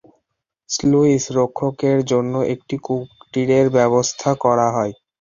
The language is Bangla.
স্লুইস রক্ষকের জন্য একটি কুটিরের ব্যবস্থা করা হয়।